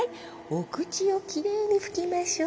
お口をきれいに拭きましょう。